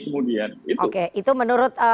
kemudian itu menurut